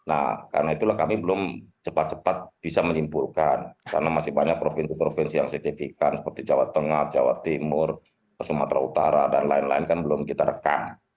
nah karena itulah kami belum cepat cepat bisa menyimpulkan karena masih banyak provinsi provinsi yang signifikan seperti jawa tengah jawa timur sumatera utara dan lain lain kan belum kita rekam